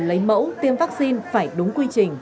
lấy mẫu tiêm vaccine phải đúng quy trình